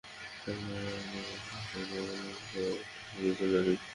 তালহা রাযিয়াল্লাহু আনহু-এর আহবানে ইতোমধ্যে আরেক সাথি চলে আসেন।